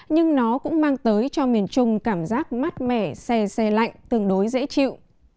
nhưng nó cũng mang tới cho miền trung cảm giác mát mẻ se se lạnh tương đối dễ chịu